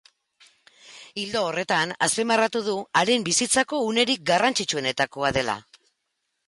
Ildo horretan, azpimarratu du haren bizitzako unerik garrantzitsuenetako dela.